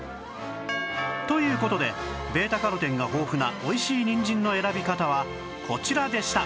という事で β− カロテンが豊富なおいしいにんじんの選び方はこちらでした